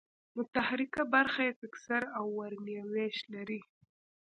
متحرکه برخه یې فکسر او ورنیه وېش لري.